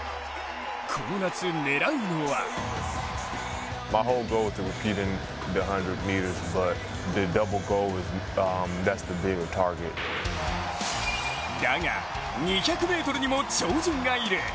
この夏、狙うのはだが、２００ｍにも超人がいる。